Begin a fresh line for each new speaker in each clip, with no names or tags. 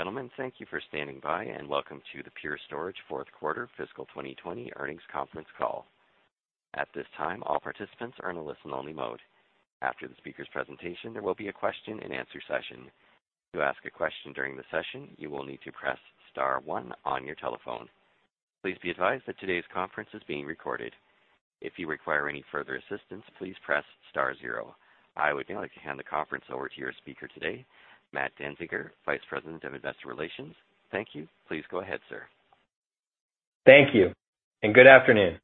Ladies and gentlemen, thank you for standing by, and welcome to the Pure Storage fourth quarter fiscal 2020 earnings conference call. At this time, all participants are in a listen-only mode. After the speaker's presentation, there will be a question and answer session. To ask a question during the session, you will need to press star one on your telephone. Please be advised that today's conference is being recorded. If you require any further assistance, please press star zero. I would now like to hand the conference over to your speaker today, Matthew Danziger, Vice President of Investor Relations. Thank you. Please go ahead, sir.
Thank you, and good afternoon.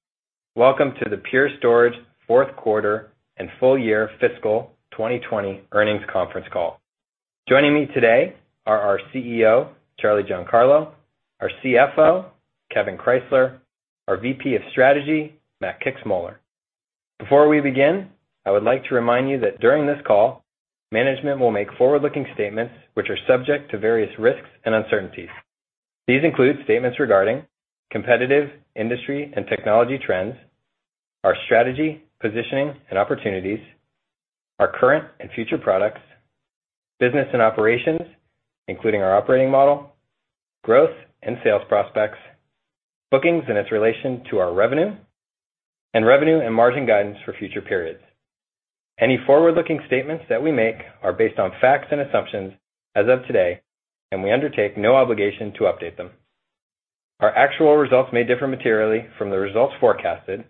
Welcome to the Pure Storage fourth quarter and full year fiscal 2020 earnings conference call. Joining me today are our CEO, Charles Giancarlo, our CFO, Kevan Krysler, our VP of Strategy, Matt Kixmoeller. Before we begin, I would like to remind you that during this call, management will make forward-looking statements which are subject to various risks and uncertainties. These include statements regarding competitive, industry and technology trends, our strategy, positioning, and opportunities, our current and future products, business and operations, including our operating model, growth and sales prospects, bookings and its relation to our revenue, and revenue and margin guidance for future periods. Any forward-looking statements that we make are based on facts and assumptions as of today, and we undertake no obligation to update them. Our actual results may differ materially from the results forecasted,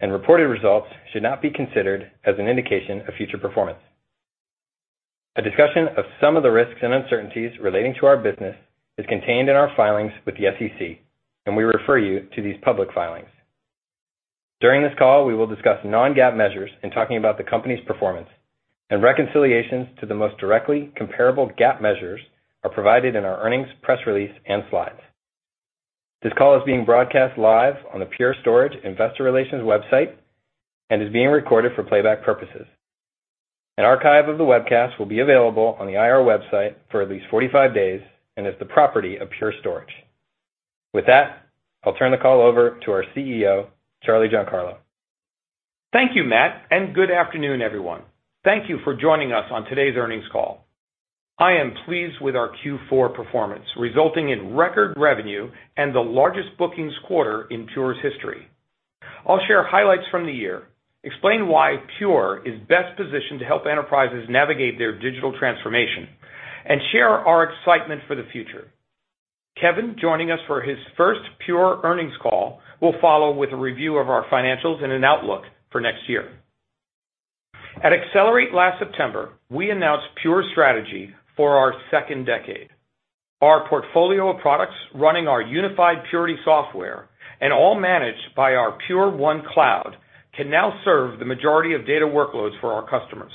and reported results should not be considered as an indication of future performance. A discussion of some of the risks and uncertainties relating to our business is contained in our filings with the SEC, and we refer you to these public filings. During this call, we will discuss non-GAAP measures in talking about the company's performance, and reconciliations to the most directly comparable GAAP measures are provided in our earnings press release and slides. This call is being broadcast live on the Pure Storage Investor Relations website and is being recorded for playback purposes. An archive of the webcast will be available on the IR website for at least 45 days and is the property of Pure Storage. With that, I'll turn the call over to our CEO, Charles Giancarlo.
Thank you, Matt, and good afternoon, everyone. Thank you for joining us on today's earnings call. I am pleased with our Q4 performance, resulting in record revenue and the largest bookings quarter in Pure's history. I'll share highlights from the year, explain why Pure is best positioned to help enterprises navigate their digital transformation, and share our excitement for the future. Kevan, joining us for his first Pure earnings call, will follow with a review of our financials and an outlook for next year. At Accelerate last September, we announced Pure strategy for our second decade. Our portfolio of products running our unified Purity software, and all managed by our Pure1 Cloud, can now serve the majority of data workloads for our customers.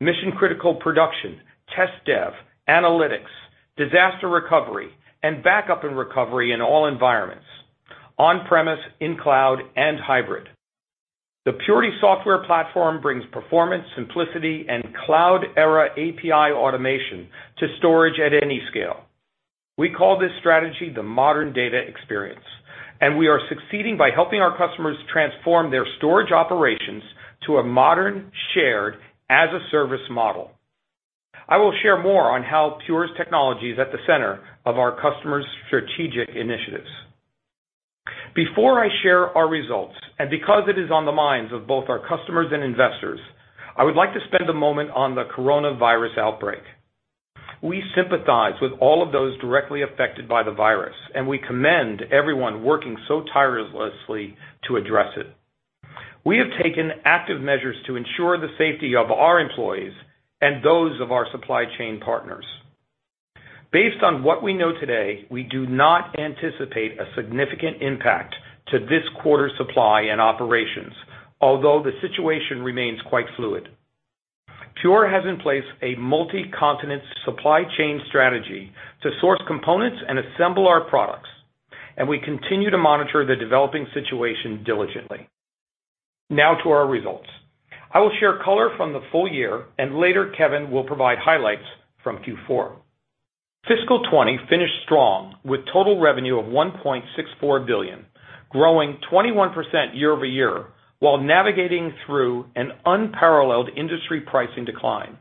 Mission-critical production, test dev, analytics, disaster recovery, and backup and recovery in all environments, on-premise, in cloud, and hybrid. The Purity software platform brings performance, simplicity, and cloud-era API automation to storage at any scale. We call this strategy the modern data experience, and we are succeeding by helping our customers transform their storage operations to a modern, shared, as-a-service model. I will share more on how Pure's technology is at the center of our customers' strategic initiatives. Before I share our results, and because it is on the minds of both our customers and investors, I would like to spend a moment on the coronavirus outbreak. We sympathize with all of those directly affected by the virus, and we commend everyone working so tirelessly to address it. We have taken active measures to ensure the safety of our employees and those of our supply chain partners. Based on what we know today, we do not anticipate a significant impact to this quarter's supply and operations, although the situation remains quite fluid. Pure has in place a multi-continent supply chain strategy to source components and assemble our products, and we continue to monitor the developing situation diligently. Now, to our results. I will share color from the full year, and later, Kevan will provide highlights from Q4. Fiscal 2020 finished strong with total revenue of $1.64 billion, growing 21% year-over-year, while navigating through an unparalleled industry pricing decline.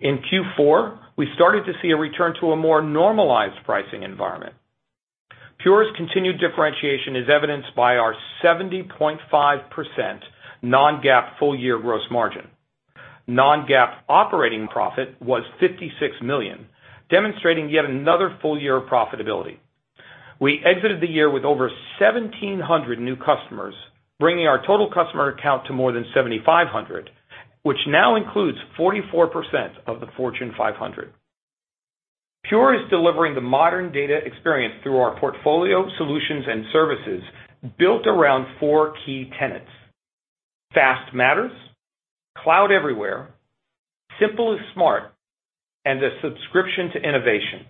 In Q4, we started to see a return to a more normalized pricing environment. Pure's continued differentiation is evidenced by our 70.5% non-GAAP full-year gross margin. Non-GAAP operating profit was $56 million, demonstrating yet another full-year of profitability. We exited the year with over 1,700 new customers, bringing our total customer count to more than 7,500, which now includes 44% of the Fortune 500. Pure is delivering the modern data experience through our portfolio, solutions, and services built around four key tenets: fast matters, cloud everywhere, simple is smart, and a subscription to innovation.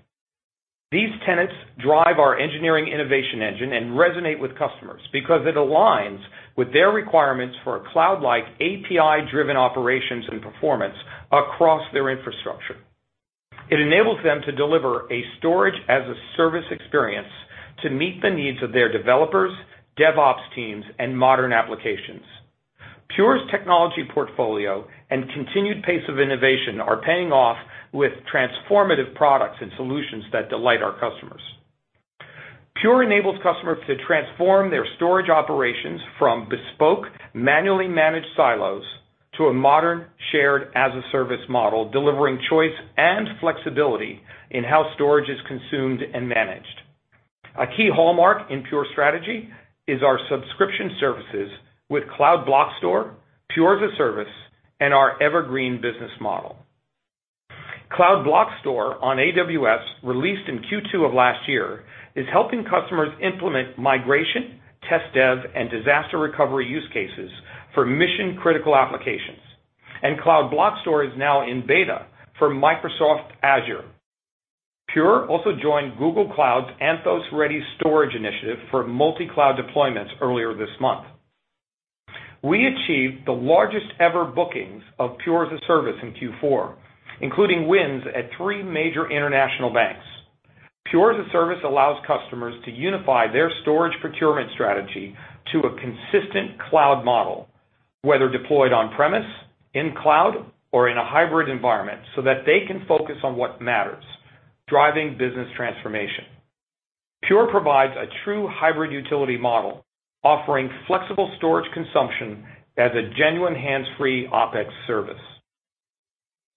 These tenets drive our engineering innovation engine and resonate with customers because it aligns with their requirements for a cloud-like, API-driven operations and performance across their infrastructure. It enables them to deliver a storage-as-a-service experience to meet the needs of their developers, DevOps teams, and modern applications. Pure's technology portfolio and continued pace of innovation are paying off with transformative products and solutions that delight our customers. Pure enables customers to transform their storage operations from bespoke, manually managed silos to a modern, shared, as-a-service model, delivering choice and flexibility in how storage is consumed and managed. A key hallmark in Pure strategy is our subscription services with Cloud Block Store, Pure as-a-Service, and our Evergreen business model. Cloud Block Store on AWS, released in Q2 of last year, is helping customers implement migration, test dev, and disaster recovery use cases for mission-critical applications. Cloud Block Store is now in beta for Microsoft Azure. Pure also joined Google Cloud's Anthos Ready Storage initiative for multi-cloud deployments earlier this month. We achieved the largest ever bookings of Pure as-a-Service in Q4, including wins at three major international banks. Pure as-a-Service allows customers to unify their storage procurement strategy to a consistent cloud model, whether deployed on-premise, in cloud, or in a hybrid environment, so that they can focus on what matters, driving business transformation. Pure provides a true hybrid utility model, offering flexible storage consumption as a genuine hands-free OpEx service.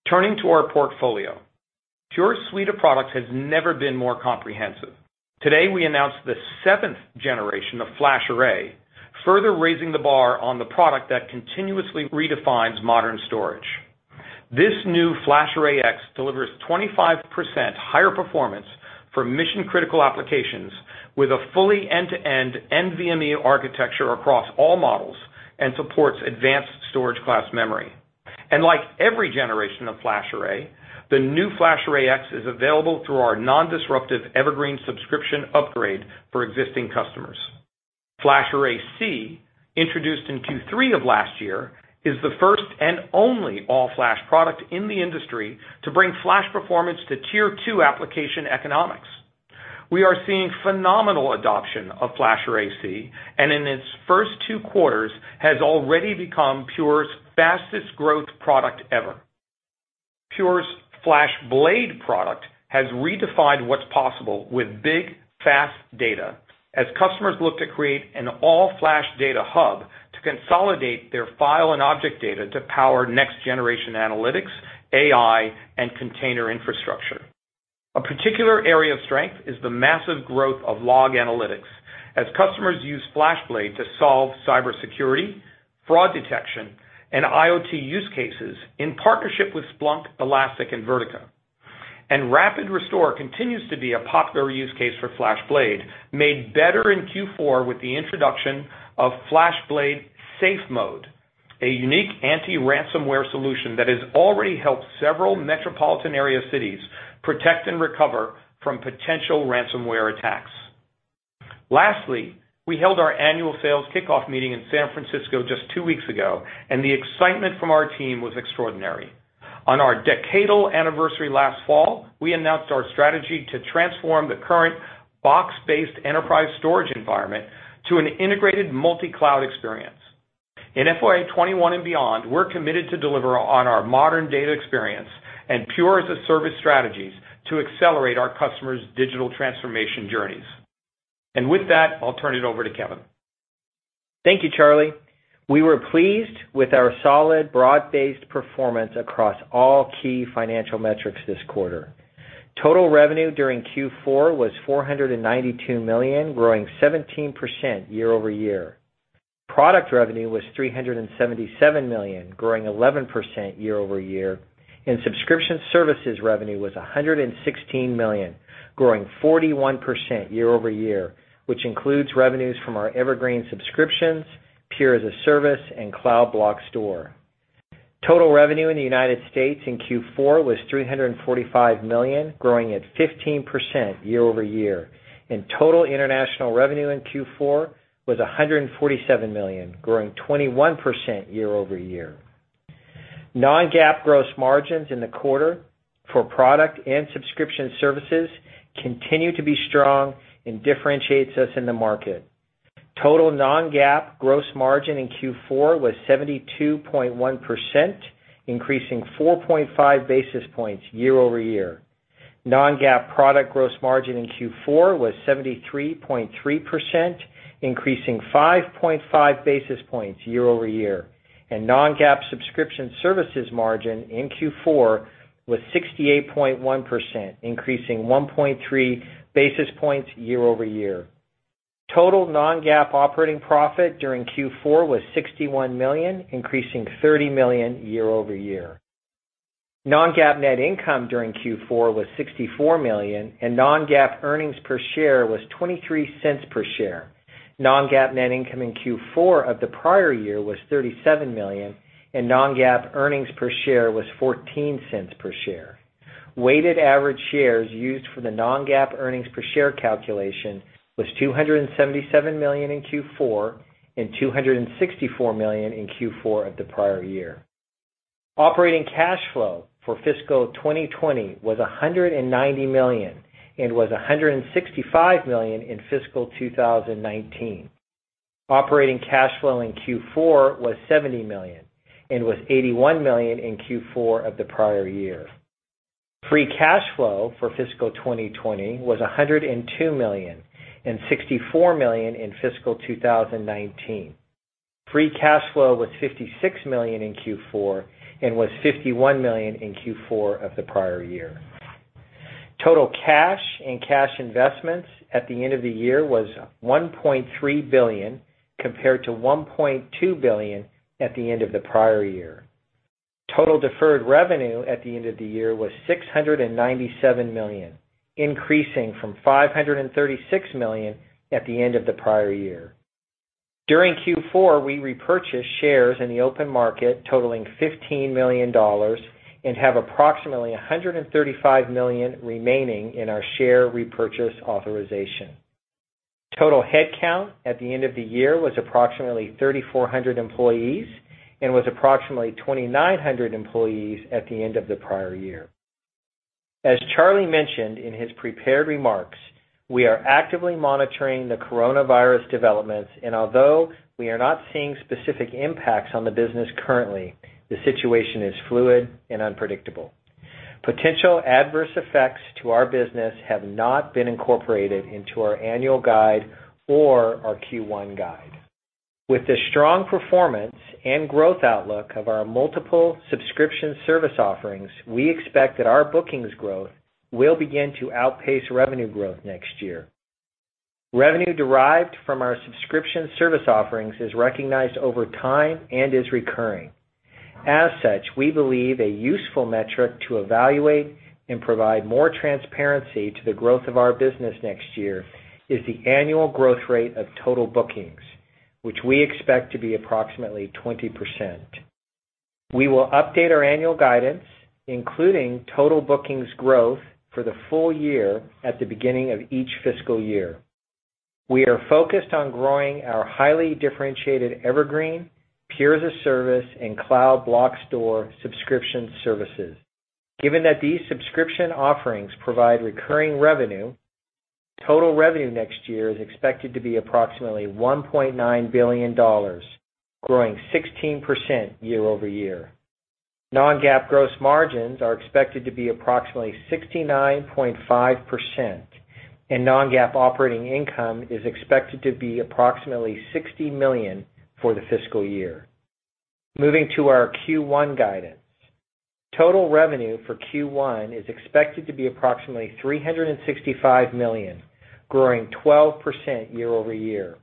Turning to our portfolio. Pure's suite of products has never been more comprehensive. Today, we announced the 7th generation of FlashArray, further raising the bar on the product that continuously redefines modern storage. This new FlashArray//X delivers 25% higher performance for mission-critical applications with a fully end-to-end NVMe architecture across all models and supports advanced storage class memory. Like every generation of FlashArray, the new FlashArray//X is available through our non-disruptive Evergreen subscription upgrade for existing customers. FlashArray//C, introduced in Q3 of last year, is the first and only all-flash product in the industry to bring flash performance to Tier 2 application economics. We are seeing phenomenal adoption of FlashArray//C, and in its first two quarters has already become Pure's fastest growth product ever. Pure's FlashBlade product has redefined what's possible with big, fast data as customers look to create an all-flash data hub to consolidate their file and object data to power next-generation analytics, AI, and container infrastructure. A particular area of strength is the massive growth of log analytics, as customers use FlashBlade to solve cybersecurity, fraud detection, and IoT use cases in partnership with Splunk, Elastic, and Vertica. Rapid restore continues to be a popular use case for FlashBlade, made better in Q4 with the introduction of FlashBlade SafeMode, a unique anti-ransomware solution that has already helped several metropolitan area cities protect and recover from potential ransomware attacks. Lastly, we held our annual sales kickoff meeting in San Francisco just two weeks ago, and the excitement from our team was extraordinary. On our decadal anniversary last fall, we announced our strategy to transform the current box-based enterprise storage environment to an integrated multi-cloud experience. In FY 2021 and beyond, we're committed to deliver on our modern data experience and Pure as-a-Service strategies to accelerate our customers' digital transformation journeys. With that, I'll turn it over to Kevan.
Thank you, Charlie. We were pleased with our solid, broad-based performance across all key financial metrics this quarter. Total revenue during Q4 was $492 million, growing 17% year-over-year. Product revenue was $377 million, growing 11% year-over-year. Subscription services revenue was $116 million, growing 41% year-over-year, which includes revenues from our Evergreen subscriptions, Pure as-a-Service, and Cloud Block Store. Total revenue in the United States in Q4 was $345 million, growing at 15% year-over-year. Total international revenue in Q4 was $147 million, growing 21% year-over-year. Non-GAAP gross margins in the quarter for product and subscription services continue to be strong and differentiates us in the market. Total non-GAAP gross margin in Q4 was 72.1%, increasing 4.5 basis points year-over-year. Non-GAAP product gross margin in Q4 was 73.3%, increasing 5.5 basis points year-over-year. Non-GAAP subscription services margin in Q4 was 68.1%, increasing 1.3 basis points year-over-year. Total non-GAAP operating profit during Q4 was $61 million, increasing $30 million year-over-year. Non-GAAP net income during Q4 was $64 million, and non-GAAP earnings per share was $0.23 per share. Non-GAAP net income in Q4 of the prior year was $37 million, and non-GAAP earnings per share was $0.14 per share. Weighted average shares used for the non-GAAP earnings per share calculation was 277 million in Q4 and 264 million in Q4 of the prior year. Operating cash flow for fiscal 2020 was $190 million and was $165 million in fiscal 2019. Operating cash flow in Q4 was $70 million and was $81 million in Q4 of the prior year. Free cash flow for fiscal 2020 was $102 million and $64 million in fiscal 2019. Free cash flow was $56 million in Q4 and was $51 million in Q4 of the prior year. Total cash and cash investments at the end of the year was $1.3 billion, compared to $1.2 billion at the end of the prior year. Total deferred revenue at the end of the year was $697 million, increasing from $536 million at the end of the prior year. During Q4, we repurchased shares in the open market totaling $15 million and have approximately $135 million remaining in our share repurchase authorization. Total headcount at the end of the year was approximately 3,400 employees and was approximately 2,900 employees at the end of the prior year. As Charlie mentioned in his prepared remarks, we are actively monitoring the coronavirus developments, and although we are not seeing specific impacts on the business currently, the situation is fluid and unpredictable. Potential adverse effects to our business have not been incorporated into our annual guide or our Q1 guide. With the strong performance and growth outlook of our multiple subscription service offerings, we expect that our bookings growth will begin to outpace revenue growth next year. Revenue derived from our subscription service offerings is recognized over time and is recurring. As such, we believe a useful metric to evaluate and provide more transparency to the growth of our business next year is the annual growth rate of total bookings, which we expect to be approximately 20%. We will update our annual guidance, including total bookings growth for the full year at the beginning of each fiscal year. We are focused on growing our highly differentiated Evergreen, Pure as-a-Service, and Cloud Block Store subscription services. Given that these subscription offerings provide recurring revenue, total revenue next year is expected to be approximately $1.9 billion, growing 16% year-over-year. Non-GAAP gross margins are expected to be approximately 69.5%, and non-GAAP operating income is expected to be approximately $60 million for the fiscal year. Moving to our Q1 guidance. Total revenue for Q1 is expected to be approximately $365 million, growing 12% year-over-year.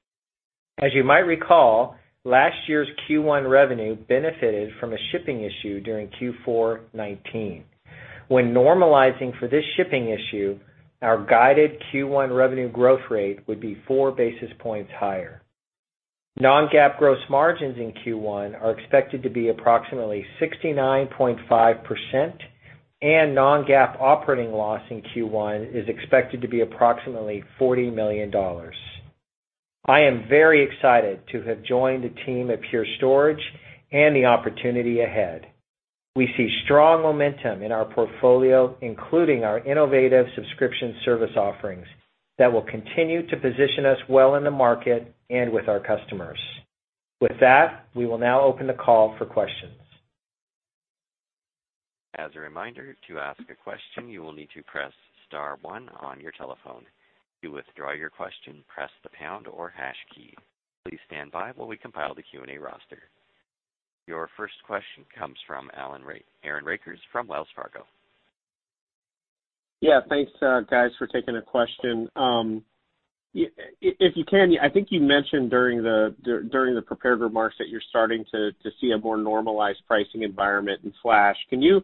As you might recall, last year's Q1 revenue benefited from a shipping issue during Q4 2019. When normalizing for this shipping issue, our guided Q1 revenue growth rate would be four basis points higher. Non-GAAP gross margins in Q1 are expected to be approximately 69.5%, and non-GAAP operating loss in Q1 is expected to be approximately $40 million. I am very excited to have joined the team at Pure Storage and the opportunity ahead. We see strong momentum in our portfolio, including our innovative subscription service offerings that will continue to position us well in the market and with our customers. We will now open the call for questions.
As a reminder, to ask a question, you will need to press star one on your telephone. To withdraw your question, press the pound or hash key. Please stand by while we compile the Q&A roster. Your first question comes from Aaron Rakers from Wells Fargo.
Yeah. Thanks, guys, for taking a question. If you can, I think you mentioned during the prepared remarks that you're starting to see a more normalized pricing environment in Flash. Can you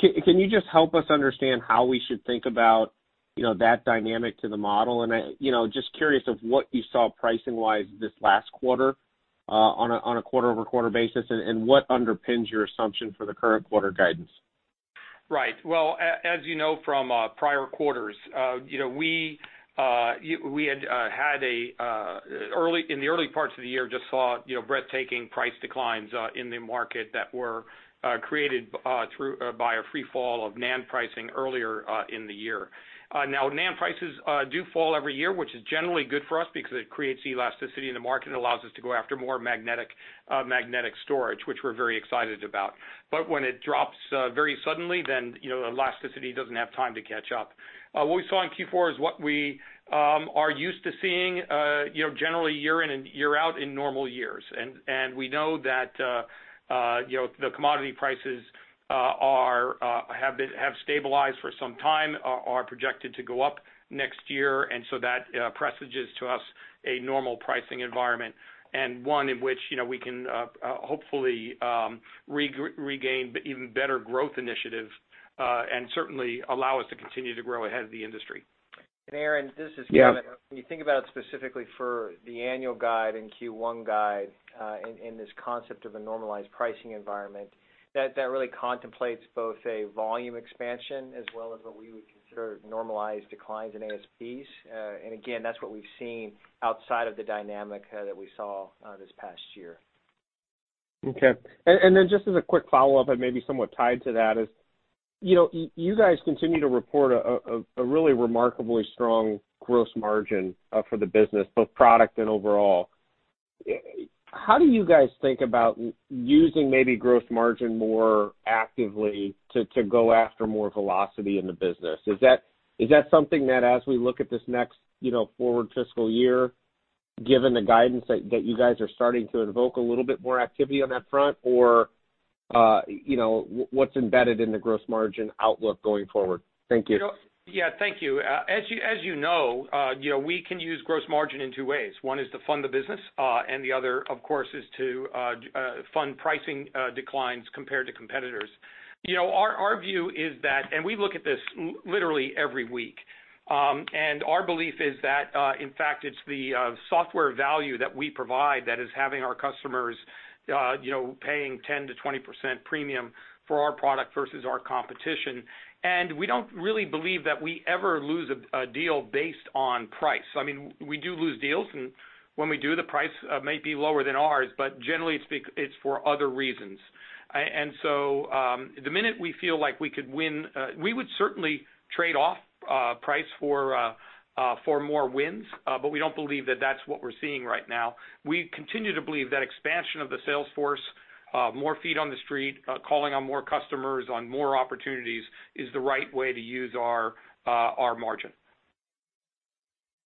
just help us understand how we should think about that dynamic to the model? Just curious of what you saw pricing-wise this last quarter on a quarter-over-quarter basis, and what underpins your assumption for the current quarter guidance?
Right. Well, as you know from prior quarters, we in the early parts of the year just saw breathtaking price declines in the market that were created by a free fall of NAND pricing earlier in the year. NAND prices do fall every year, which is generally good for us because it creates elasticity in the market and allows us to go after more magnetic storage, which we are very excited about. When it drops very suddenly, elasticity doesn't have time to catch up. What we saw in Q4 is what we are used to seeing generally year in and year out in normal years. We know that the commodity prices have stabilized for some time, are projected to go up next year. That presages to us a normal pricing environment and one in which we can hopefully regain even better growth initiatives, and certainly allow us to continue to grow ahead of the industry.
Aaron, this is Kevan.
Yeah.
When you think about specifically for the annual guide and Q1 guide in this concept of a normalized pricing environment, that really contemplates both a volume expansion as well as what we would consider normalized declines in ASPs. Again, that's what we've seen outside of the dynamic that we saw this past year.
Okay. Just as a quick follow-up and maybe somewhat tied to that is, you guys continue to report a really remarkably strong gross margin, for the business, both product and overall. How do you guys think about using maybe gross margin more actively to go after more velocity in the business? Is that something that as we look at this next forward fiscal year, given the guidance that you guys are starting to invoke a little bit more activity on that front? What's embedded in the gross margin outlook going forward? Thank you.
Yeah, thank you. As you know, we can use gross margin in two ways. One is to fund the business, and the other, of course, is to fund pricing declines compared to competitors. Our view is that, and we look at this literally every week, and our belief is that, in fact, it's the software value that we provide that is having our customers paying 10%-20% premium for our product versus our competition. We don't really believe that we ever lose a deal based on price. We do lose deals, and when we do, the price may be lower than ours, but generally it's for other reasons. The minute we feel like we could win, we would certainly trade off price for more wins, but we don't believe that that's what we're seeing right now. We continue to believe that expansion of the sales force, more feet on the street, calling on more customers on more opportunities is the right way to use our margin.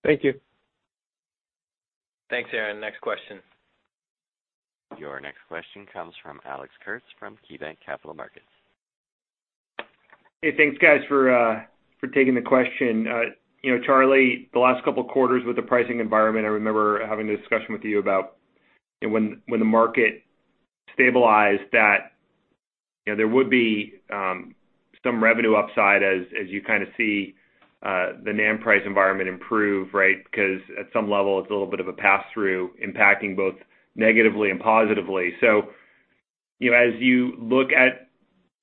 Thank you.
Thanks, Aaron. Next question.
Your next question comes from Alex Kurtz from KeyBanc Capital Markets.
Hey, thanks guys for taking the question. Charlie, the last couple of quarters with the pricing environment, I remember having a discussion with you about when the market stabilized, that there would be some revenue upside as you see the NAND price environment improve, right? Because at some level, it's a little bit of a pass-through impacting both negatively and positively. As you look at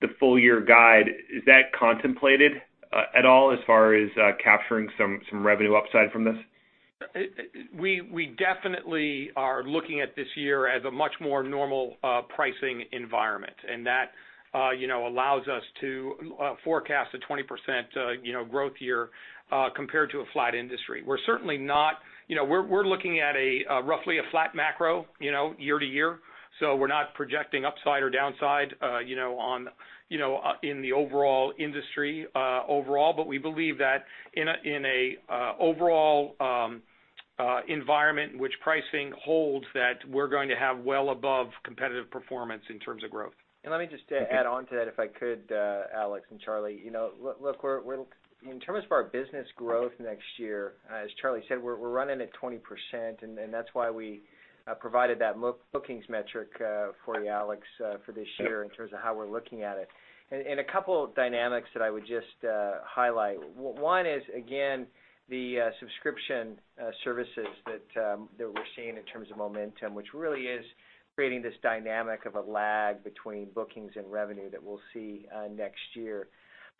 the full-year guide, is that contemplated at all as far as capturing some revenue upside from this?
We definitely are looking at this year as a much more normal pricing environment. That allows us to forecast a 20% growth year, compared to a flat industry. We're looking at a roughly a flat macro year-to-year. We're not projecting upside or downside in the overall industry, but we believe that in a overall environment in which pricing holds, that we're going to have well above competitive performance in terms of growth.
Let me just add onto that if I could, Alex and Charlie. Look, in terms of our business growth next year, as Charlie said, we're running at 20%, and that's why we provided that bookings metric for you, Alex, for this year in terms of how we're looking at it. A couple of dynamics that I would just highlight. One is, again, the subscription services that we're seeing in terms of momentum, which really is creating this dynamic of a lag between bookings and revenue that we'll see next year.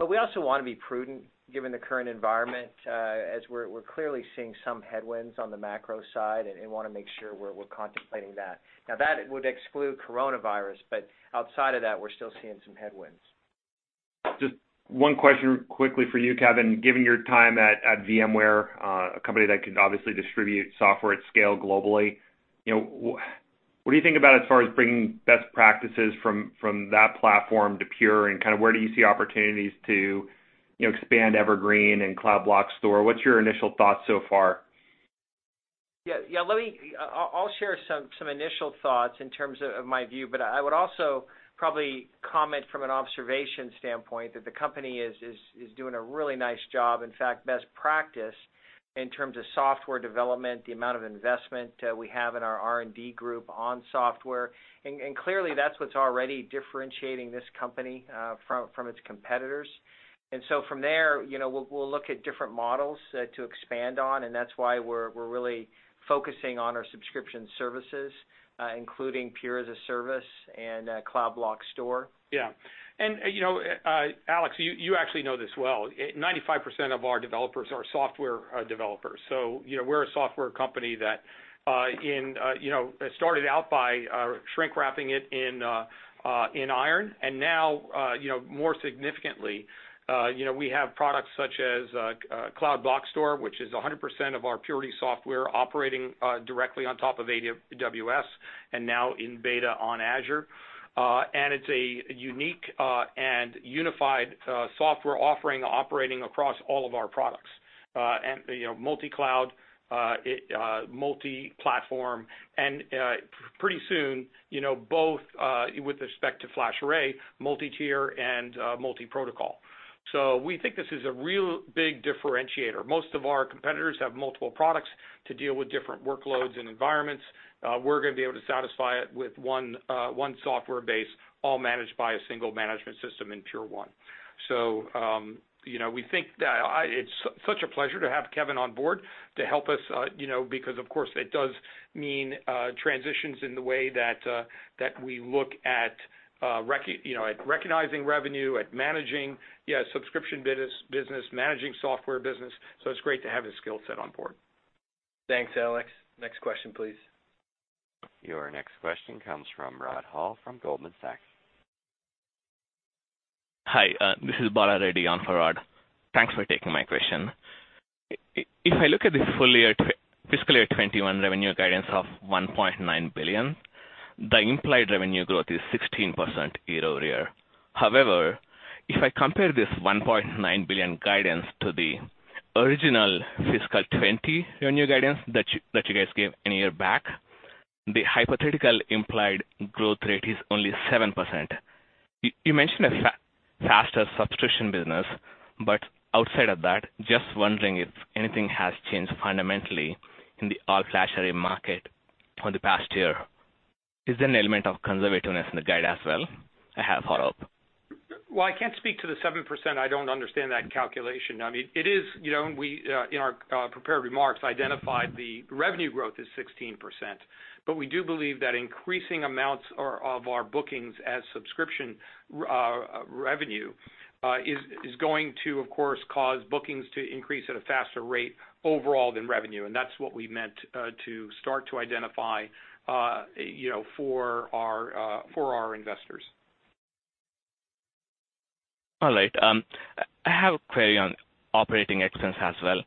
We also want to be prudent given the current environment, as we're clearly seeing some headwinds on the macro side, and want to make sure we're contemplating that. Now, that would exclude coronavirus, but outside of that, we're still seeing some headwinds.
Just one question quickly for you, Kevan. Given your time at VMware, a company that can obviously distribute software at scale globally, what do you think about as far as bringing best practices from that platform to Pure, and where do you see opportunities to expand Evergreen and Cloud Block Store? What's your initial thoughts so far?
Yeah. I'll share some initial thoughts in terms of my view, but I would also probably comment from an observation standpoint that the company is doing a really nice job, in fact, best practice in terms of software development, the amount of investment we have in our R&D group on software. Clearly, that's what's already differentiating this company from its competitors. From there, we'll look at different models to expand on, and that's why we're really focusing on our subscription services, including Pure as a Service and Cloud Block Store.
Yeah. Alex, you actually know this well. 95% of our developers are software developers. We're a software company that started out by shrink wrapping it in iron, and now, more significantly, we have products such as Cloud Block Store, which is 100% of our Purity software operating directly on top of AWS, and now in beta on Azure. It's a unique and unified software offering operating across all of our products. Multi-cloud, multi-platform, and pretty soon, both with respect to FlashArray, multi-tier and multi-protocol. We think this is a real big differentiator. Most of our competitors have multiple products to deal with different workloads and environments. We're going to be able to satisfy it with one software base, all managed by a single management system in Pure1. It's such a pleasure to have Kevan on board to help us, because of course it does mean transitions in the way that we look at recognizing revenue, at managing subscription business, managing software business. It's great to have his skill set on board.
Thanks, Alex. Next question please.
Your next question comes from Rod Hall from Goldman Sachs.
Hi, this is Bala Reddy on for Rod. Thanks for taking my question. If I look at the fiscal year 2021 revenue guidance of $1.9 billion, the implied revenue growth is 16% year-over-year. However, if I compare this $1.9 billion guidance to the original fiscal 2020 revenue guidance that you guys gave a year back, the hypothetical implied growth rate is only 7%. You mentioned a faster subscription business, but outside of that, just wondering if anything has changed fundamentally in the all FlashArray market over the past year. Is there an element of conservativeness in the guide as well? I have, Rod.
Well, I can't speak to the 7%. I don't understand that calculation. In our prepared remarks, identified the revenue growth is 16%. We do believe that increasing amounts of our bookings as subscription revenue is going to, of course, cause bookings to increase at a faster rate overall than revenue, and that's what we meant to start to identify for our investors.
All right. I have a query on operating expense as well.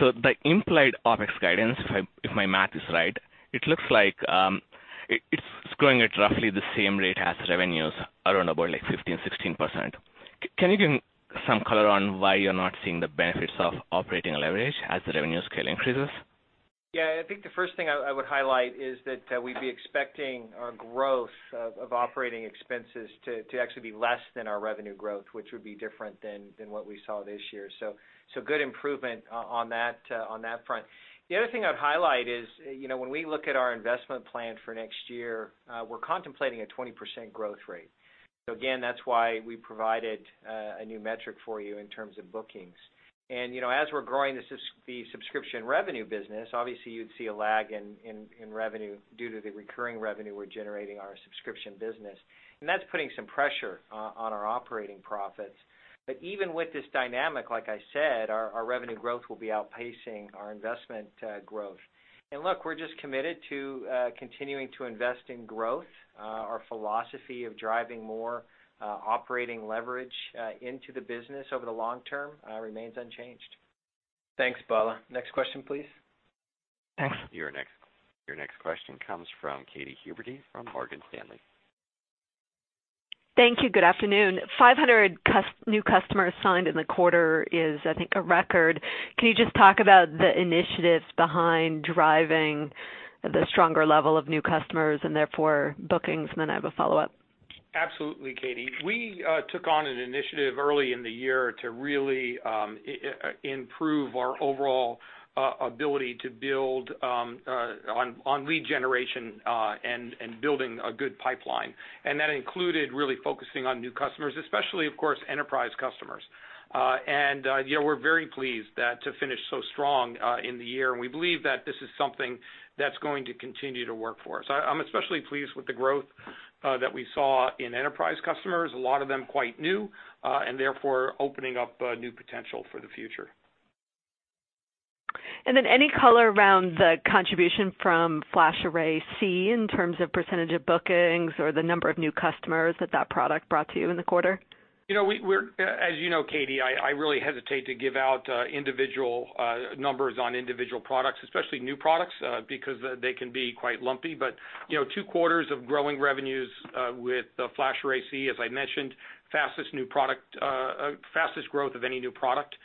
The implied OpEx guidance, if my math is right, it looks like it's growing at roughly the same rate as revenues, around about like 15%, 16%. Can you give some color on why you're not seeing the benefits of operating leverage as the revenue scale increases?
Yeah, I think the first thing I would highlight is that we'd be expecting our growth of operating expenses to actually be less than our revenue growth, which would be different than what we saw this year. Good improvement on that front. The other thing I'd highlight is when we look at our investment plan for next year, we're contemplating a 20% growth rate. Again, that's why we provided a new metric for you in terms of bookings. As we're growing the subscription revenue business, obviously you'd see a lag in revenue due to the recurring revenue we're generating our subscription business. That's putting some pressure on our operating profits. Even with this dynamic, like I said, our revenue growth will be outpacing our investment growth. Look, we're just committed to continuing to invest in growth. Our philosophy of driving more operating leverage into the business over the long term remains unchanged.
Thanks, Bala. Next question please.
Thanks.
Your next question comes from Katy Huberty from Morgan Stanley.
Thank you. Good afternoon. 500 new customers signed in the quarter is, I think, a record. Can you just talk about the initiatives behind driving the stronger level of new customers and therefore bookings, and then I have a follow-up?
Absolutely, Katy. We took on an initiative early in the year to really improve our overall ability to build on lead generation, and building a good pipeline. That included really focusing on new customers, especially, of course, enterprise customers. We're very pleased to finish so strong in the year, and we believe that this is something that's going to continue to work for us. I'm especially pleased with the growth that we saw in enterprise customers, a lot of them quite new, and therefore opening up new potential for the future.
Any color around the contribution from FlashArray//C in terms of % of bookings or the number of new customers that that product brought to you in the quarter?
As you know, Katy, I really hesitate to give out individual numbers on individual products, especially new products, because they can be quite lumpy. Two quarters of growing revenues with FlashArray//C, as I mentioned, fastest growth of any new product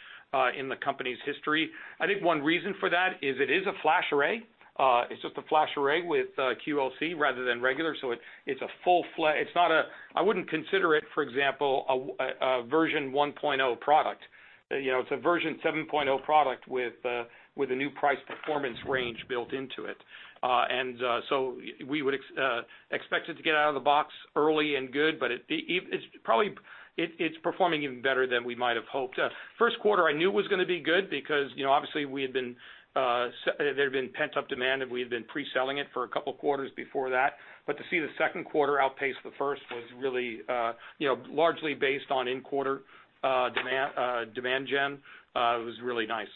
in the company's history. I think one reason for that is it is a FlashArray. It's just a FlashArray with QLC rather than regular, so I wouldn't consider it, for example, a version 1.0 product. It's a version 7.0 product with a new price performance range built into it. We would expect it to get out of the box early and good, but it's performing even better than we might have hoped. First quarter I knew it was going to be good because obviously there had been pent-up demand and we had been pre-selling it for a couple of quarters before that. To see the second quarter outpace the first was really largely based on in-quarter demand gen, was really nice.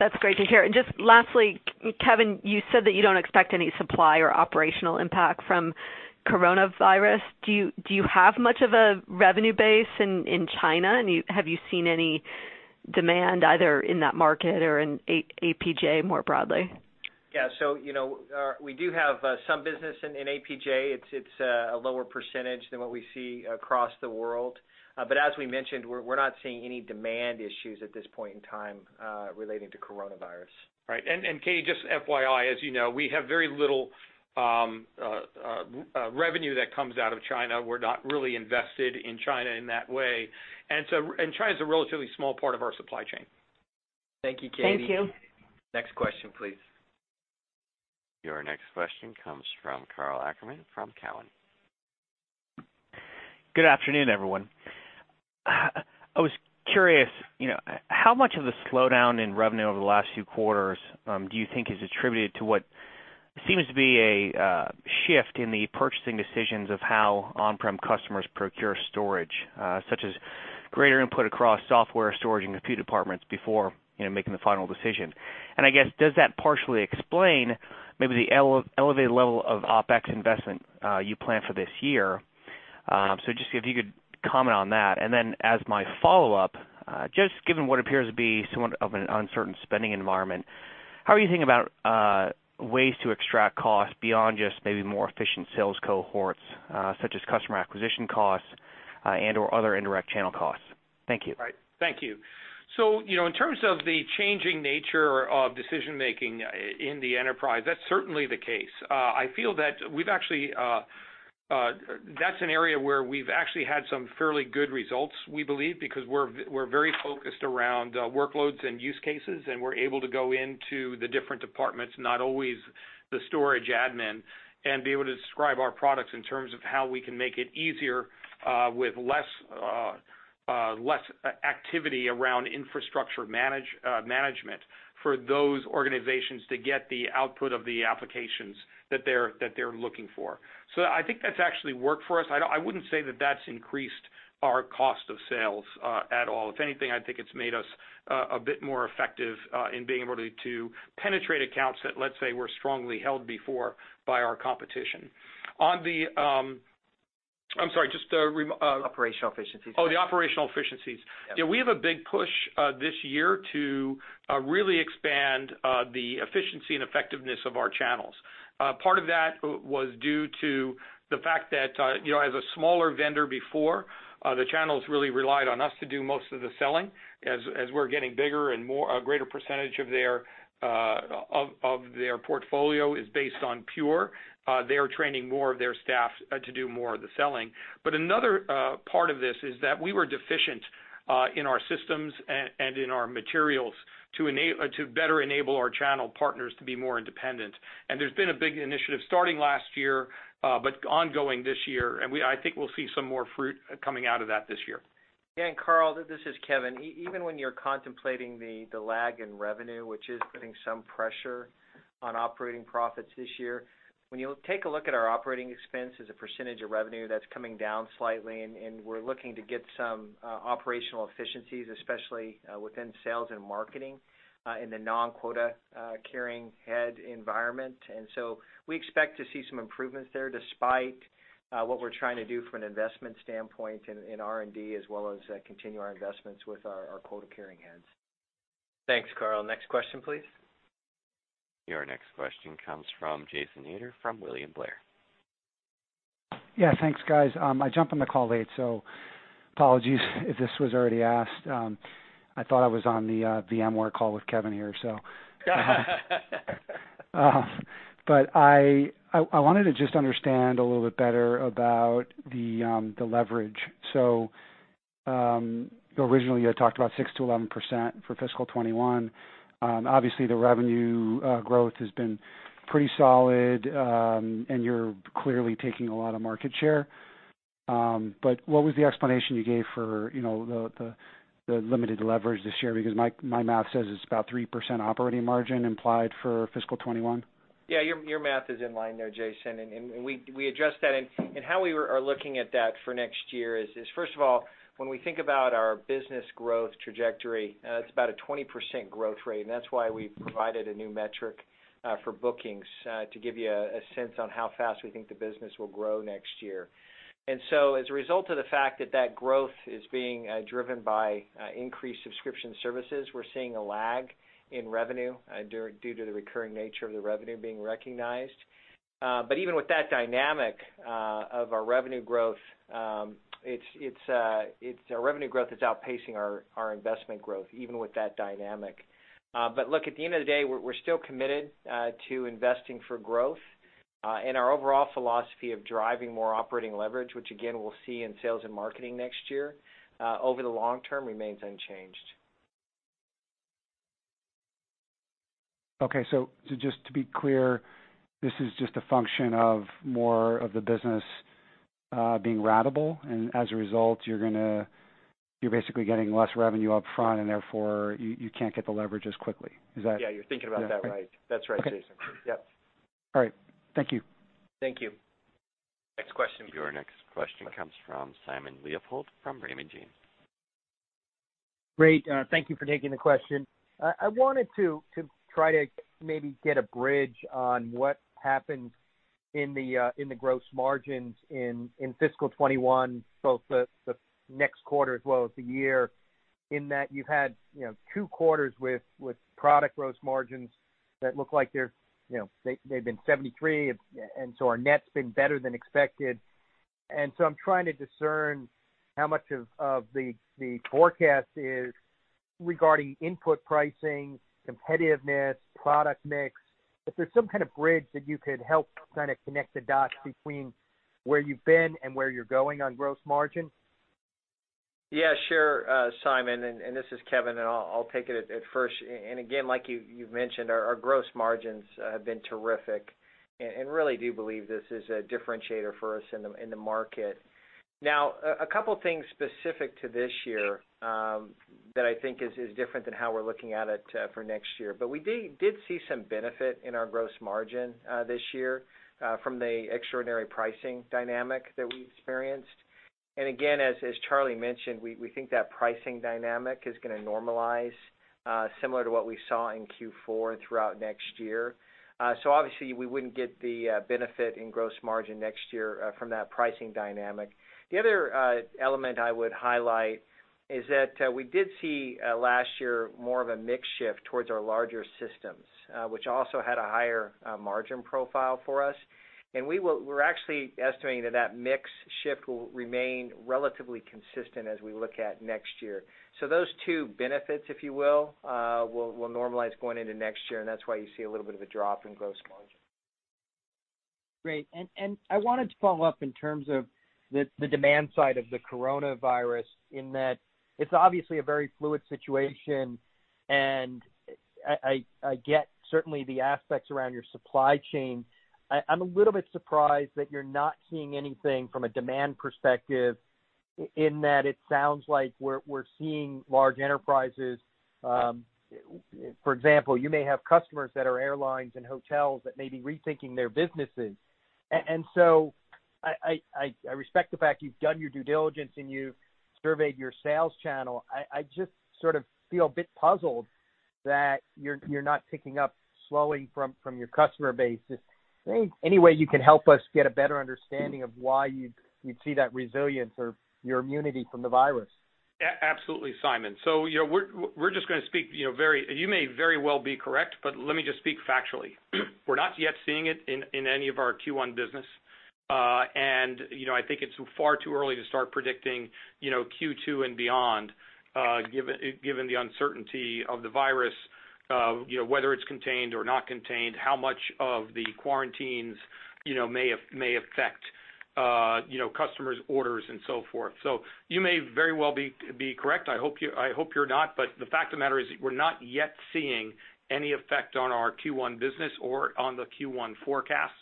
That's great to hear. Just lastly, Kevan, you said that you don't expect any supply or operational impact from coronavirus. Do you have much of a revenue base in China? Have you seen any demand either in that market or in APJ more broadly?
Yeah, we do have some business in APJ. It's a lower percentage than what we see across the world. As we mentioned, we're not seeing any demand issues at this point in time relating to coronavirus.
Right. Katy, just FYI, as you know, we have very little revenue that comes out of China. We're not really invested in China in that way. China's a relatively small part of our supply chain.
Thank you, Katy.
Thank you.
Next question, please.
Your next question comes from Karl Ackerman from Cowen.
Good afternoon, everyone. I was curious, how much of the slowdown in revenue over the last few quarters do you think is attributed to what seems to be a shift in the purchasing decisions of how on-prem customers procure storage, such as greater input across software storage and compute departments before making the final decision. I guess, does that partially explain maybe the elevated level of OpEx investment you plan for this year? Just if you could comment on that. As my follow-up, just given what appears to be somewhat of an uncertain spending environment, how are you thinking about ways to extract cost beyond just maybe more efficient sales cohorts, such as customer acquisition costs and/or other indirect channel costs? Thank you.
Right. Thank you. In terms of the changing nature of decision-making in the enterprise, that's certainly the case. I feel that that's an area where we've actually had some fairly good results, we believe, because we're very focused around workloads and use cases, and we're able to go into the different departments, not always the storage admin, and be able to describe our products in terms of how we can make it easier with less activity around infrastructure management for those organizations to get the output of the applications that they're looking for. I think that's actually worked for us. I wouldn't say that that's increased our cost of sales at all. If anything, I think it's made us a bit more effective in being able to penetrate accounts that, let's say, were strongly held before by our competition. On the-
Operational efficiencies.
Oh, the operational efficiencies.
Yeah.
Yeah, we have a big push this year to really expand the efficiency and effectiveness of our channels. Part of that was due to the fact that, as a smaller vendor before, the channels really relied on us to do most of the selling. As we're getting bigger and a greater percentage of their portfolio is based on Pure, they are training more of their staff to do more of the selling. Another part of this is that we were deficient in our systems and in our materials to better enable our channel partners to be more independent. There's been a big initiative starting last year, but ongoing this year, and I think we'll see some more fruit coming out of that this year.
Karl, this is Kevan. Even when you're contemplating the lag in revenue, which is putting some pressure on operating profits this year, when you take a look at our operating expense as a percentage of revenue, that's coming down slightly, and we're looking to get some operational efficiencies, especially within sales and marketing in the non-quota carrying head environment. We expect to see some improvements there despite what we're trying to do from an investment standpoint in R&D, as well as continue our investments with our quota-carrying heads.
Thanks, Karl. Next question, please.
Your next question comes from Jason Ader from William Blair.
Yeah, thanks, guys. I jumped on the call late, apologies if this was already asked. I thought I was on the VMware call with Kevan here. I wanted to just understand a little bit better about the leverage. Originally you had talked about 6%-11% for fiscal 2021. Obviously, the revenue growth has been pretty solid, you're clearly taking a lot of market share. What was the explanation you gave for the limited leverage this year? My math says it's about 3% operating margin implied for fiscal 2021.
Yeah, your math is in line there, Jason, and we addressed that. How we are looking at that for next year is, first of all, when we think about our business growth trajectory, it's about a 20% growth rate, and that's why we provided a new metric for bookings, to give you a sense on how fast we think the business will grow next year. As a result of the fact that that growth is being driven by increased subscription services, we're seeing a lag in revenue due to the recurring nature of the revenue being recognized. Even with that dynamic of our revenue growth, our revenue growth is outpacing our investment growth, even with that dynamic. Look, at the end of the day, we're still committed to investing for growth, and our overall philosophy of driving more operating leverage, which again, we'll see in sales and marketing next year, over the long term remains unchanged.
Okay. Just to be clear, this is just a function of more of the business being ratable, and as a result, you're basically getting less revenue up front, and therefore, you can't get the leverage as quickly. Is that?
Yeah, you're thinking about that right. That's right, Jason.
Okay.
Yep.
All right. Thank you.
Thank you.
Next question.
Your next question comes from Simon Leopold, from Raymond James.
Great. Thank you for taking the question. I wanted to try to maybe get a bridge on what happened in the gross margins in fiscal 2021, both the next quarter as well as the year, in that you've had two quarters with product gross margins that look like they've been 73%, our net's been better than expected. I'm trying to discern how much of the forecast is regarding input pricing, competitiveness, product mix. If there's some kind of bridge that you could help kind of connect the dots between where you've been and where you're going on gross margin.
Yeah, sure Simon, and this is Kevan, and I'll take it at first. Again, like you've mentioned, our gross margins have been terrific, and really do believe this is a differentiator for us in the market. Now, a couple things specific to this year that I think is different than how we're looking at it for next year, we did see some benefit in our gross margin this year from the extraordinary pricing dynamic that we experienced. Again, as Charlie mentioned, we think that pricing dynamic is going to normalize similar to what we saw in Q4 and throughout next year. Obviously we wouldn't get the benefit in gross margin next year from that pricing dynamic. The other element I would highlight is that we did see last year more of a mix shift towards our larger systems, which also had a higher margin profile for us. We're actually estimating that mix shift will remain relatively consistent as we look at next year. Those two benefits, if you will normalize going into next year, and that's why you see a little bit of a drop in gross margin.
Great. I wanted to follow up in terms of the demand side of the coronavirus, in that it is obviously a very fluid situation, and I get certainly the aspects around your supply chain. I am a little bit surprised that you are not seeing anything from a demand perspective in that it sounds like we are seeing large enterprises, for example, you may have customers that are airlines and hotels that may be rethinking their businesses. I respect the fact you have done your due diligence, and you have surveyed your sales channel. I just sort of feel a bit puzzled that you are not picking up slowing from your customer base. Is there any way you can help us get a better understanding of why you would see that resilience or your immunity from the virus?
Absolutely, Simon. We're just going to speak, you may very well be correct, but let me just speak factually. We're not yet seeing it in any of our Q1 business. I think it's far too early to start predicting Q2 and beyond, given the uncertainty of the virus, whether it's contained or not contained, how much of the quarantines may affect customers' orders and so forth. You may very well be correct. I hope you're not, but the fact of the matter is we're not yet seeing any effect on our Q1 business or on the Q1 forecast.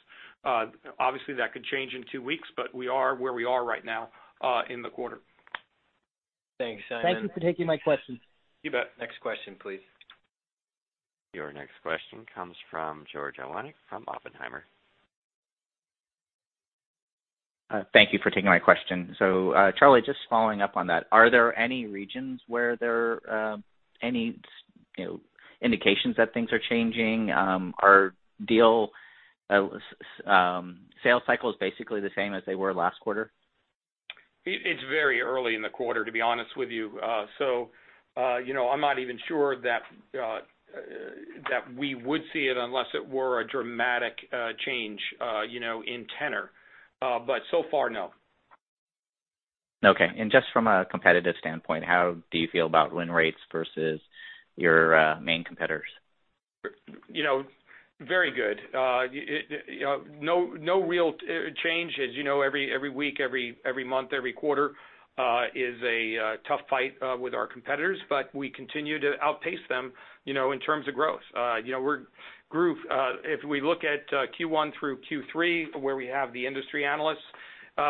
Obviously, that could change in two weeks, but we are where we are right now in the quarter. Thanks, Simon.
Thank you for taking my question.
You bet.
Next question, please.
Your next question comes from George Iwanyc from Oppenheimer.
Thank you for taking my question. Charlie, just following up on that, are there any regions where there are any indications that things are changing? Are deal sales cycles basically the same as they were last quarter?
It's very early in the quarter, to be honest with you. I'm not even sure that we would see it unless it were a dramatic change in tenor. So far, no.
Okay. Just from a competitive standpoint, how do you feel about win rates versus your main competitors?
Very good. No real changes. Every week, every month, every quarter is a tough fight with our competitors. We continue to outpace them in terms of growth. If we look at Q1 through Q3, where we have the industry analysts,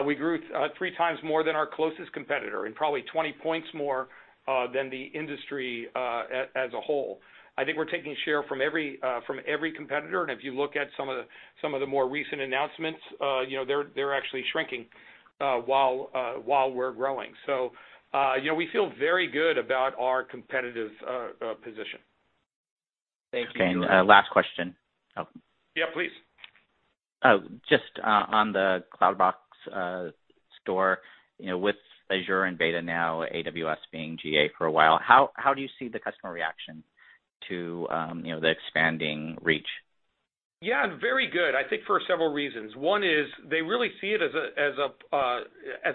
we grew 3x more than our closest competitor and probably 20 points more than the industry as a whole. I think we're taking share from every competitor. If you look at some of the more recent announcements, they're actually shrinking while we're growing. We feel very good about our competitive position.
Thank you. Okay, last question.
Yeah, please.
Just on the Cloud Block Store, with Azure in beta now, AWS being GA for a while, how do you see the customer reaction to the expanding reach?
Yeah, very good, I think for several reasons. One is they really see it as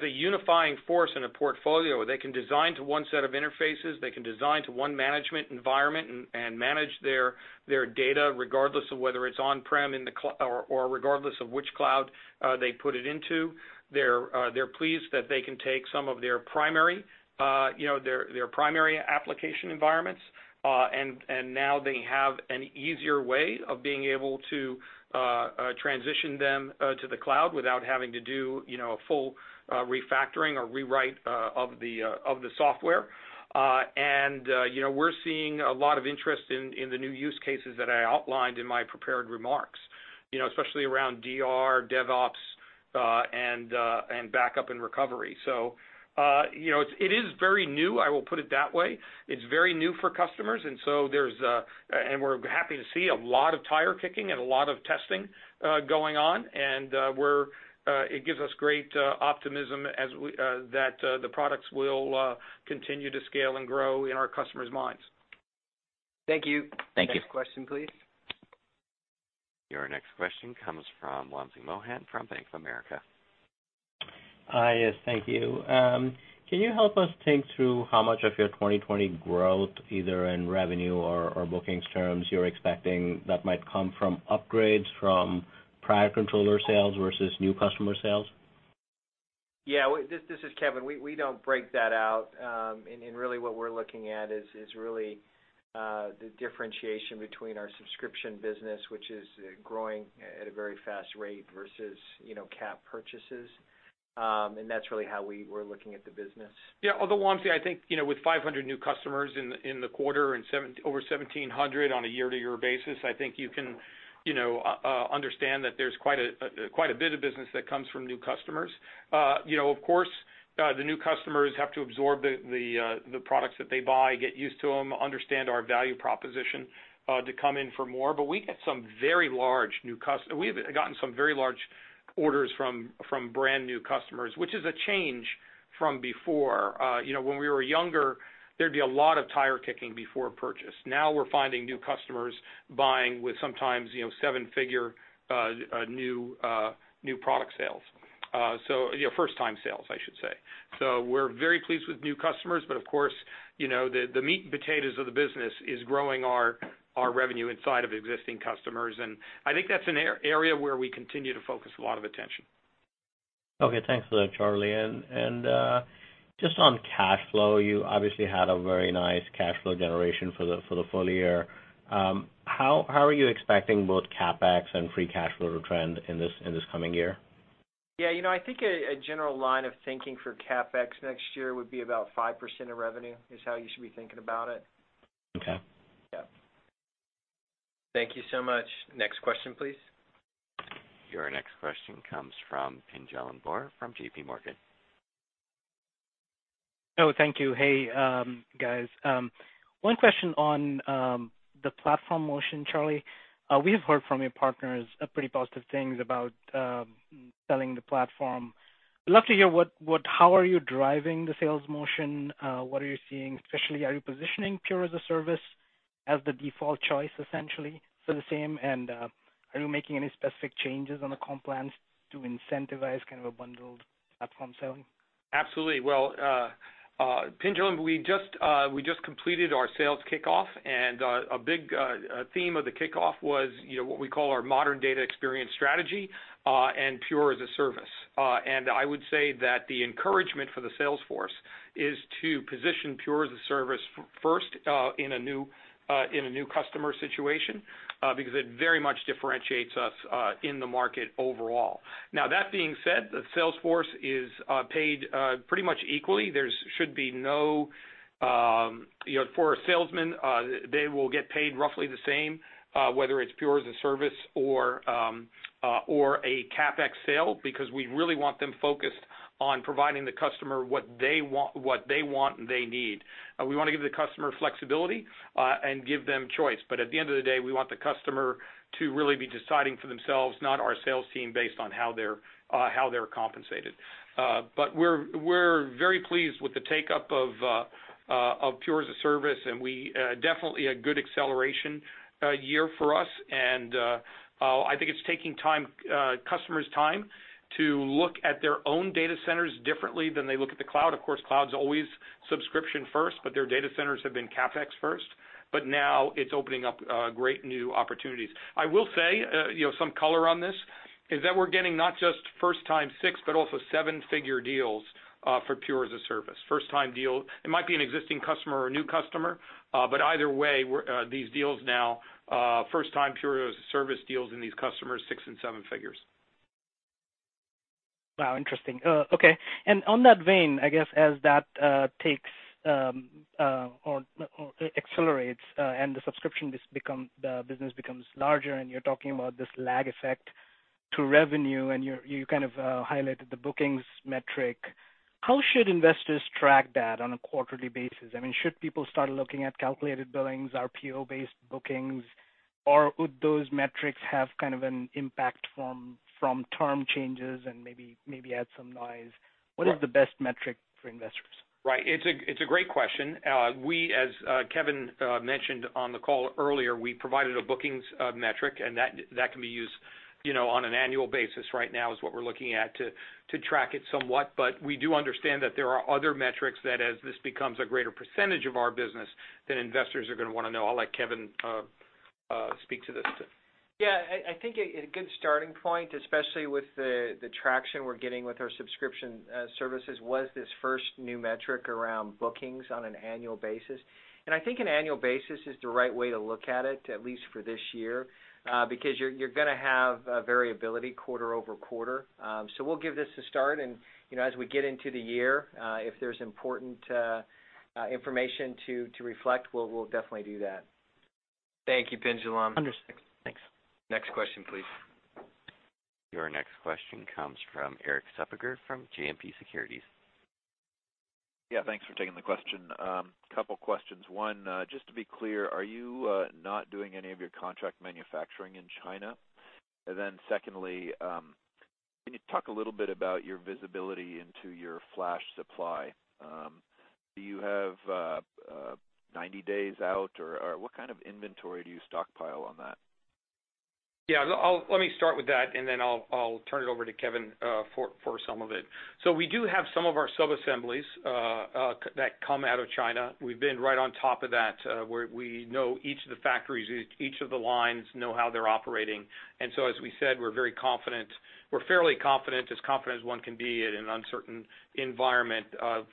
a unifying force in a portfolio where they can design to one set of interfaces, they can design to one management environment, and manage their data regardless of whether it's on-prem or regardless of which cloud they put it into. They're pleased that they can take some of their primary application environments, and now they have an easier way of being able to transition them to the cloud without having to do a full refactoring or rewrite of the software. We're seeing a lot of interest in the new use cases that I outlined in my prepared remarks, especially around DR, DevOps, and backup and recovery. It is very new, I will put it that way. It's very new for customers, and we're happy to see a lot of tire kicking and a lot of testing going on, and it gives us great optimism that the products will continue to scale and grow in our customers' minds.
Thank you.
Thank you. Next question, please.
Your next question comes from Wamsi Mohan from Bank of America.
Hi, yes, thank you. Can you help us think through how much of your 2020 growth, either in revenue or bookings terms, you're expecting that might come from upgrades from prior controller sales versus new customer sales?
Yeah, this is Kevan. We don't break that out. Really what we're looking at is the differentiation between our subscription business, which is growing at a very fast rate versus Cap purchases. That's really how we were looking at the business.
Yeah. Wamsi, I think, with 500 new customers in the quarter and over 1,700 on a year-to-year basis, I think you can understand that there's quite a bit of business that comes from new customers. Of course, the new customers have to absorb the products that they buy, get used to them, understand our value proposition to come in for more. We have gotten some very large orders from brand new customers, which is a change from before. When we were younger, there'd be a lot of tire kicking before purchase. Now we're finding new customers buying with sometimes, seven-figure new product sales. First-time sales, I should say. We're very pleased with new customers, but of course, the meat and potatoes of the business is growing our revenue inside of existing customers, and I think that's an area where we continue to focus a lot of attention.
Okay, thanks for that, Charlie. Just on cash flow, you obviously had a very nice cash flow generation for the full year. How are you expecting both CapEx and free cash flow to trend in this coming year?
Yeah, I think a general line of thinking for CapEx next year would be about 5% of revenue, is how you should be thinking about it.
Okay.
Yeah.
Thank you so much. Next question, please.
Your next question comes from Pinjalim Bora from JPMorgan.
Oh, thank you. Hey, guys. One question on the platform motion, Charlie. We have heard from your partners pretty positive things about selling the platform. I'd love to hear how are you driving the sales motion? What are you seeing especially? Are you positioning Pure as-a-Service as the default choice, essentially, so the same? Are you making any specific changes on the comp plans to incentivize a bundled platform selling?
Absolutely. Well, Pinjalim, we just completed our sales kickoff, and a big theme of the kickoff was what we call our modern data experience strategy, and Pure as-a-Service. I would say that the encouragement for the sales force is to position Pure as-a-Service first in a new customer situation, because it very much differentiates us in the market overall. That being said, the sales force is paid pretty much equally. For a salesman, they will get paid roughly the same, whether it's Pure as-a-Service or a CapEx sale, because we really want them focused on providing the customer what they want and they need. We want to give the customer flexibility, and give them choice. At the end of the day, we want the customer to really be deciding for themselves, not our sales team based on how they're compensated. We're very pleased with the take-up of Pure as-a-Service, definitely a good acceleration year for us. I think it's taking customers time to look at their own data centers differently than they look at the cloud. Of course, cloud's always subscription first, but their data centers have been CapEx first. Now it's opening up great new opportunities. I will say, some color on this, is that we're getting not just first time six, but also seven-figure deals for Pure as-a-Service. First time deal, it might be an existing customer or a new customer, but either way, these deals now, first time Pure as-a-Service deals in these customers, six and seven figures.
Wow, interesting. Okay. On that vein, I guess as that takes or accelerates, and the subscription business becomes larger, and you're talking about this lag effect to revenue, and you highlighted the bookings metric. How should investors track that on a quarterly basis? Should people start looking at calculated billings, RPO-based bookings, or would those metrics have an impact from term changes and maybe add some noise? What is the best metric for investors?
Right. It's a great question. As Kevan mentioned on the call earlier, we provided a bookings metric, and that can be used on an annual basis right now is what we're looking at to track it somewhat. We do understand that there are other metrics that as this becomes a greater percentage of our business, then investors are going to want to know. I'll let Kevan speak to this.
Yeah, I think a good starting point, especially with the traction we're getting with our subscription services, was this first new metric around bookings on an annual basis. I think an annual basis is the right way to look at it, at least for this year, because you're going to have variability quarter-over-quarter. We'll give this a start and as we get into the year, if there's important information to reflect, we'll definitely do that.
Thank you, Pinjalim.
Understood. Thanks.
Next question, please.
Your next question comes from Erik Suppiger from JMP Securities.
Yeah, thanks for taking the question. Couple questions. One, just to be clear, are you not doing any of your contract manufacturing in China? Secondly, can you talk a little bit about your visibility into your flash supply? Do you have 90 days out, or what kind of inventory do you stockpile on that?
Let me start with that, and then I'll turn it over to Kevin for some of it. We do have some of our sub-assemblies that come out of China. We've been right on top of that, where we know each of the factories, each of the lines, know how they're operating. As we said, we're fairly confident, as confident as one can be in an uncertain environment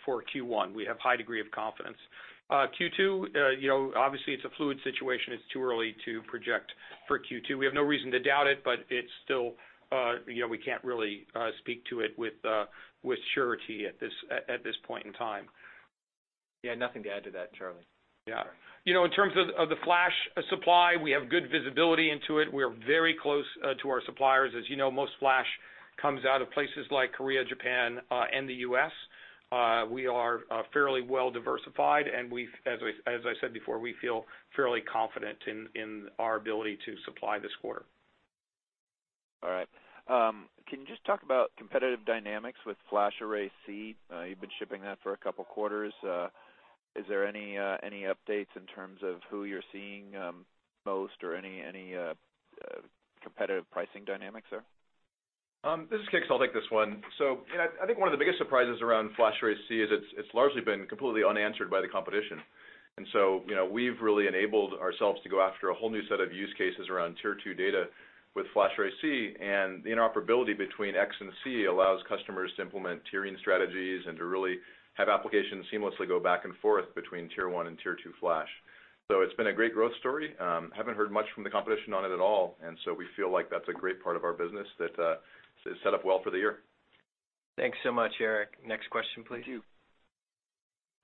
for Q1. We have high degree of confidence. Q2, obviously it's a fluid situation. It's too early to project for Q2. We have no reason to doubt it, but we can't really speak to it with surety at this point in time.
Yeah, nothing to add to that, Charlie.
Yeah. In terms of the flash supply, we have good visibility into it. We are very close to our suppliers. As you know, most flash comes out of places like Korea, Japan, and the U.S. We are fairly well-diversified and as I said before, we feel fairly confident in our ability to supply this quarter.
All right. Can you just talk about competitive dynamics with FlashArray//C? You've been shipping that for a couple quarters. Is there any updates in terms of who you're seeing most or any competitive pricing dynamics there?
This is Kix. I'll take this one. I think one of the biggest surprises around FlashArray//C is it's largely been completely unanswered by the competition. We've really enabled ourselves to go after a whole new set of use cases around Tier 2 data with FlashArray//C, and the interoperability between X and C allows customers to implement tiering strategies and to really have applications seamlessly go back and forth between Tier 1 and Tier 2 flash. It's been a great growth story. Haven't heard much from the competition on it at all, and so we feel like that's a great part of our business that is set up well for the year.
Thanks so much, Erik. Next question, please.
Thank you.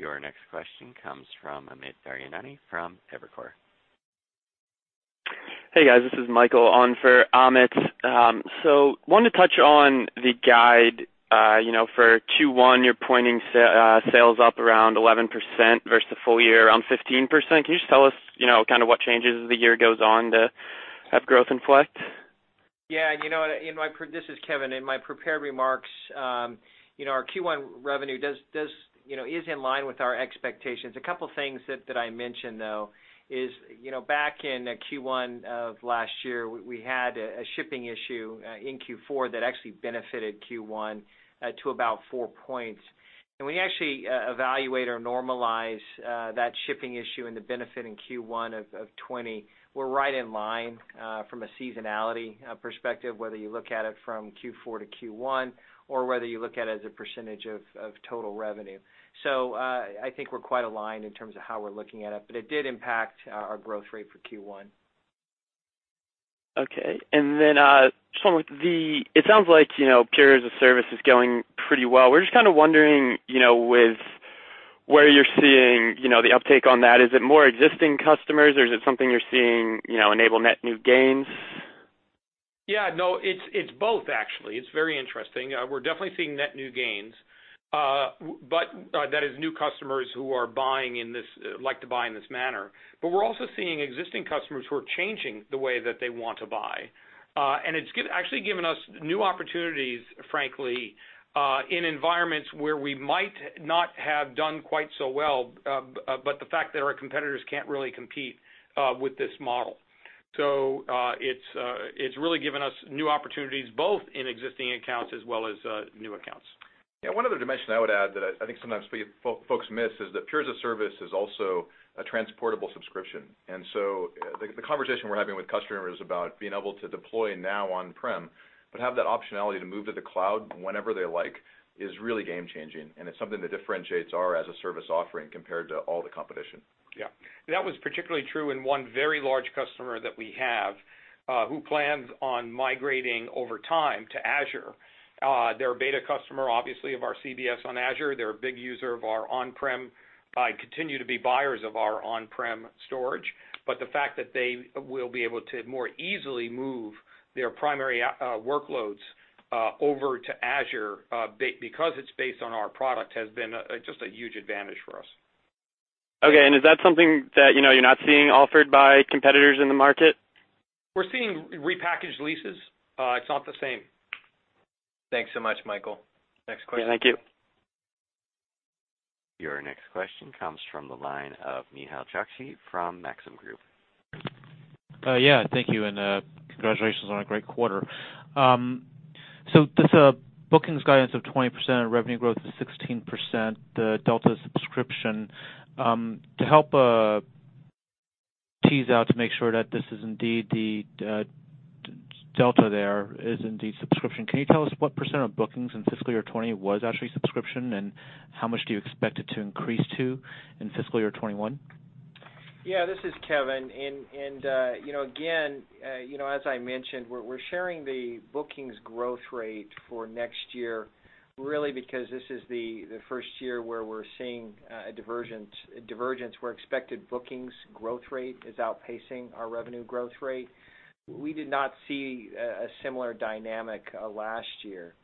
Your next question comes from Amit Daryanani from Evercore.
Hey, guys. This is Michael on for Amit. I wanted to touch on the guide. For Q1, you're pointing sales up around 11% versus the full year, around 15%. Can you just tell us, what changes as the year goes on to have growth inflect?
This is Kevan. In my prepared remarks, our Q1 revenue is in line with our expectations. A couple things that I mentioned, though, is back in Q1 of last year, we had a shipping issue in Q4 that actually benefited Q1 to about four points. When you actually evaluate or normalize that shipping issue and the benefit in Q1 of 2020, we're right in line from a seasonality perspective, whether you look at it from Q4 to Q1, or whether you look at it as a percentage of total revenue. I think we're quite aligned in terms of how we're looking at it, but it did impact our growth rate for Q1.
Okay. It sounds like Pure as-a-Service is going pretty well. We're just wondering with where you're seeing the uptake on that, is it more existing customers, or is it something you're seeing enable net new gains?
Yeah, no, it's both, actually. It's very interesting. We're definitely seeing net new gains, that is, new customers who like to buy in this manner. We're also seeing existing customers who are changing the way that they want to buy. It's actually given us new opportunities, frankly, in environments where we might not have done quite so well, but the fact that our competitors can't really compete with this model. It's really given us new opportunities, both in existing accounts as well as new accounts.
One other dimension I would add that I think sometimes folks miss is that Pure as-a-Service is also a transportable subscription. The conversation we're having with customers about being able to deploy now on-prem, but have that optionality to move to the cloud whenever they like is really game-changing, and it's something that differentiates our as-a-service offering compared to all the competition.
Yeah. That was particularly true in one very large customer that we have, who plans on migrating over time to Azure. They're a beta customer, obviously, of our CBS on Azure. They're a big user of our on-prem, continue to be buyers of our on-prem storage. The fact that they will be able to more easily move their primary workloads over to Azure because it's based on our product has been just a huge advantage for us.
Okay. Is that something that you're not seeing offered by competitors in the market?
We're seeing repackaged leases. It's not the same.
Thanks so much, Michael. Next question.
Yeah. Thank you.
Your next question comes from the line of Nehal Chokshi from Maxim Group.
Yeah, thank you, and congratulations on a great quarter. This bookings guidance of 20% and revenue growth of 16%, the delta subscription. To help tease out to make sure that this is indeed the delta there is indeed subscription, can you tell us what percent of bookings in fiscal year 2020 was actually subscription, and how much do you expect it to increase to in fiscal year 2021?
Yeah, this is Kevan. Again, as I mentioned, we're sharing the bookings growth rate for next year really because this is the first year where we're seeing a divergence where expected bookings growth rate is outpacing our revenue growth rate. We did not see a similar dynamic last year.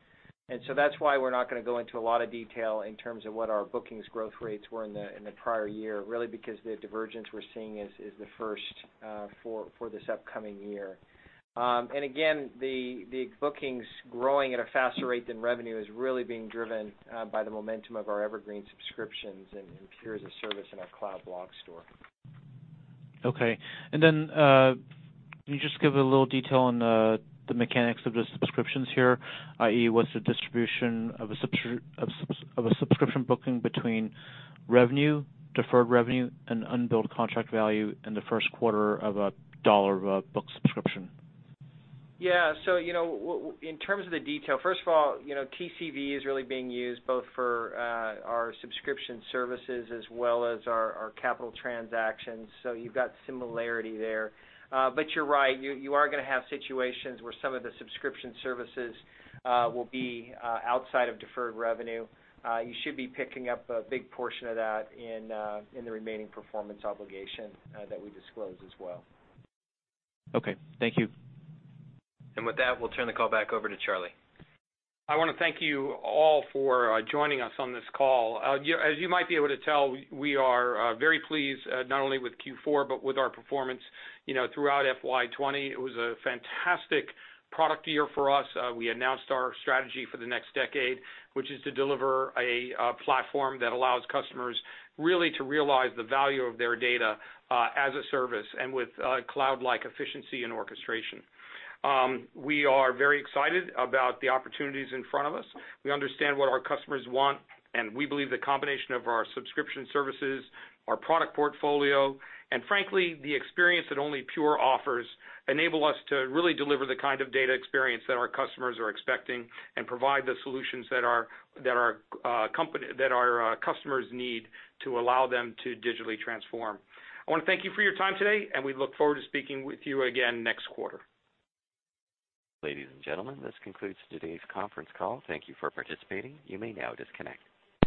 That's why we're not going to go into a lot of detail in terms of what our bookings growth rates were in the prior year, really because the divergence we're seeing is the first for this upcoming year. Again, the bookings growing at a faster rate than revenue is really being driven by the momentum of our Evergreen subscriptions and Pure as-a-Service and our Cloud Block Store.
Okay. Can you just give a little detail on the mechanics of the subscriptions here, i.e., what's the distribution of a subscription booking between revenue, deferred revenue, and unbilled contract value in the first quarter of a dollar of a booked subscription?
In terms of the detail, first of all, TCV is really being used both for our subscription services as well as our capital transactions. You've got similarity there. You're right, you are going to have situations where some of the subscription services will be outside of deferred revenue. You should be picking up a big portion of that in the remaining performance obligation that we disclose as well.
Okay. Thank you.
With that, we'll turn the call back over to Charlie.
I want to thank you all for joining us on this call. As you might be able to tell, we are very pleased not only with Q4 but with our performance throughout FY 2020. It was a fantastic product year for us. We announced our strategy for the next decade, which is to deliver a platform that allows customers really to realize the value of their data as-a-service and with cloud-like efficiency and orchestration. We are very excited about the opportunities in front of us. We understand what our customers want, and we believe the combination of our subscription services, our product portfolio, and frankly, the experience that only Pure offers, enable us to really deliver the kind of data experience that our customers are expecting and provide the solutions that our customers need to allow them to digitally transform. I want to thank you for your time today, and we look forward to speaking with you again next quarter.
Ladies and gentlemen, this concludes today's conference call. Thank you for participating. You may now disconnect.